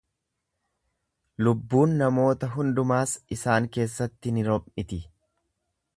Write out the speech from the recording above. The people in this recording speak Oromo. Lubbuun namoota hundumaas isaan keessatti ni rom’iti.